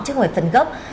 chứ không phải phần gốc